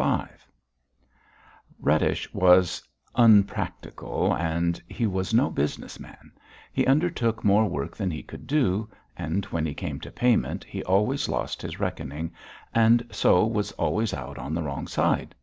V Radish was unpractical and he was no business man; he undertook more work than he could do, and when he came to payment he always lost his reckoning and so was always out on the wrong side.